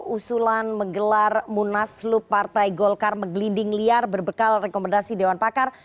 usulan menggelar munas lump partai golkar meglinding liar berbekal rekomendasi dewan pakar